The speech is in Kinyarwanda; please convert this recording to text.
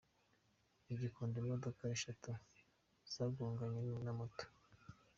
I Gikondo imodoka Eshatu zagonganye na moto